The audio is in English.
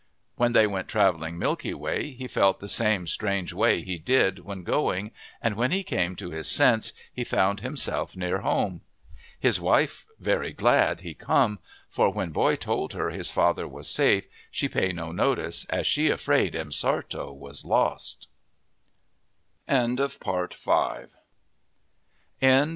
When they went travelling Milky Way he felt the same strange way he did when going and when he came to his sense he found himself near home. His wife very glad he come, for when boy told her his father was safe she pay no notice, as she afraid M'Sartto was lost."